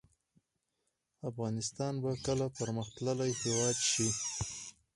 افغانستان به کله پرمختللی هیواد شي؟